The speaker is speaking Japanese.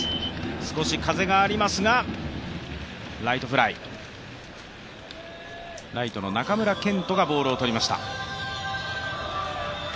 少し風がありますが、ライトフライライトの中村健人がボールを取りました。